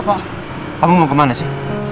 ke ulang tahun kok gimana ya